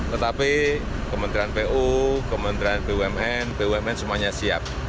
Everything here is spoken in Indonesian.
tetapi kementerian pu kementerian bumn bumn semuanya siap